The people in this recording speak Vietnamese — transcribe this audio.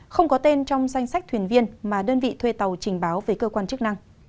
không có tên trong danh sách thuyền viên mà đơn vị thuê tàu trình báo về cơ quan chức năng